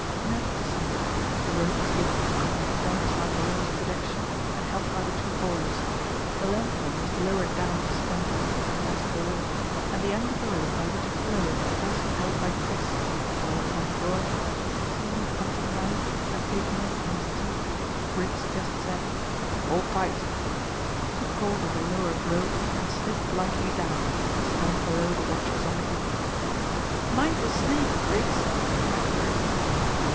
Ned descended, the rope was given a couple of turns round the lowest projection, and held by the two boys; the lanthorn was lowered down to stand on the heap of dust below, and the end of the rope by which it was lowered also held by Chris, while upon drawing his keen hunting knife and taking it in his teeth, Griggs just said, "Hold tight," took hold of the lowered rope, and slid lightly down, to stand below the watchers on the heap. "Mind the snake, Griggs," cried Chris.